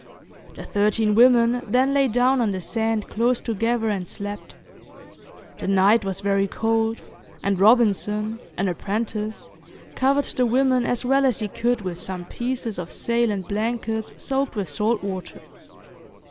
The thirteen women then lay down on the sand close together, and slept. The night was very cold, and Robinson, an apprentice, covered the women as well as he could with some pieces of sail and blankets soaked with salt water.